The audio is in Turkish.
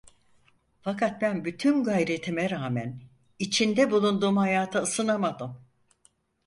Fakat ben bütün gayretime rağmen, içinde bulunduğum hayata ısınamadım.